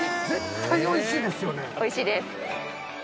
おいしいです。